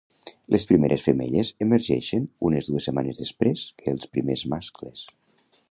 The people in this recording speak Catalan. Les primeres femelles emergeixen unes dues setmanes després que els primers mascles.